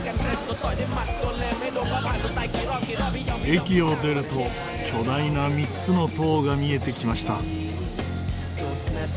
駅を出ると巨大な３つの塔が見えてきました。